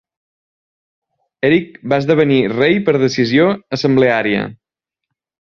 Eric va esdevenir rei per decisió assembleària.